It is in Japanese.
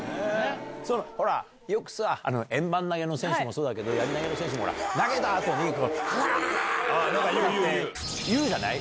ほら、よくさ、円盤投げの選手もそうだけど、やり投げの選手もほら、投げたあとに、わー！って言うじゃない？